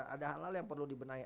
ada hal hal yang perlu dibenahi